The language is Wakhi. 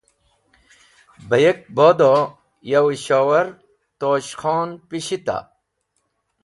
Bah yek bodoh yow-e Showar Tosh Khon pishit a?